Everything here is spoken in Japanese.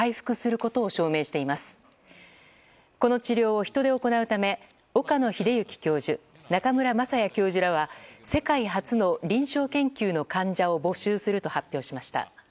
この治療をヒトで行うため岡野栄之教授中村雅也教授らは世界初の臨床研究の患者を募集すると発表しました。